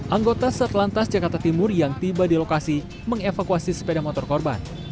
anggota satlantas jakarta timur yang tiba di lokasi mengevakuasi sepeda motor korban